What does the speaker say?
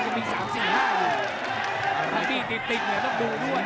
ยังมีสามสี่ห้าอยู่ถ้ามีติดติดเนี่ยต้องดูด้วย